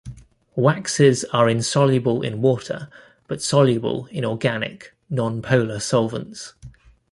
Waxes are insoluble in water but soluble in organic, nonpolar solvents.